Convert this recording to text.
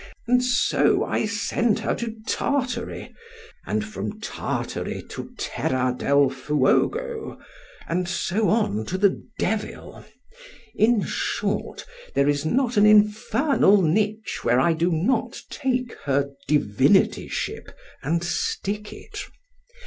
and so I send her to Tartary, and from Tartary to Terra del Fuogo, and so on to the devil: in short, there is not an infernal nitch where I do not take her divinityship and stick it.